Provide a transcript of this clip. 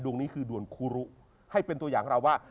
นี้คือด่วนครูรุให้เป็นตัวอย่างเราว่า